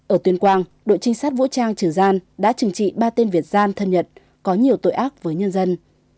ở tuyên quang đội trinh sát vũ trang trường gian đã chừng trị ba tên việt gian thân nhật có nhiều tội ác với nhân dân